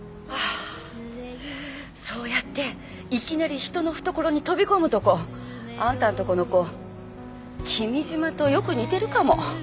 そうやっていきなり人の懐に飛び込むとこあんたんとこの子君嶋とよく似てるかも。